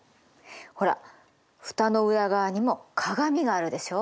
ほらフタの裏側にも鏡があるでしょう？